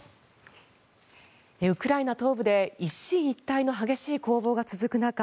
ウクライナ東部で一進一退の激しい攻防が続く中